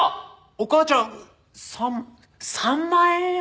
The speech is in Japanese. お母ちゃん３３万円や。